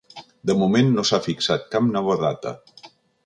De moment, no s’ha fixat cap nova data.